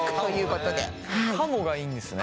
「かも」がいいんですね？